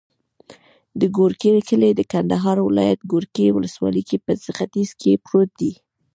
د ګورکي کلی د کندهار ولایت، ګورکي ولسوالي په ختیځ کې پروت دی.